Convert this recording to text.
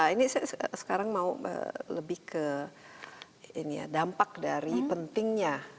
ini sekarang mau lebih ke dampak dari pentingnya